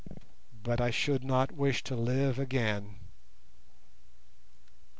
But I should not wish to live again!